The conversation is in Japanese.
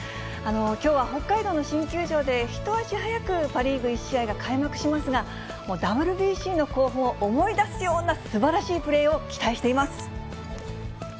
きょうは北海道の新球場で一足早くパ・リーグ１試合が開幕しますが、ＷＢＣの興奮を思い出すようなすばらしいプレーを期待しています。